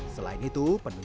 selain itu penunjuknya